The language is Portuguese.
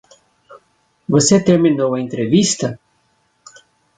Você terminou a entrevista?